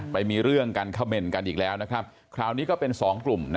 ไปมีเรื่องกันเขม่นกันอีกแล้วนะครับคราวนี้ก็เป็น๒กลุ่ม